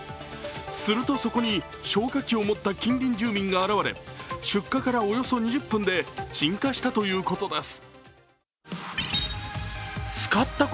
すると、そこに消火器を持った近隣住民が現れ出火からおよそ２０分で鎮火したということです。